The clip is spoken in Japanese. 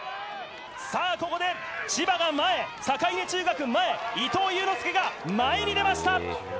さあ、ここで千葉が前へ、酒井根中学前へ、伊藤悠ノ介が前に出ました。